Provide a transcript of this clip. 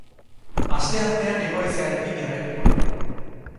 Asteartean hego haizearekin jarraituko dugu.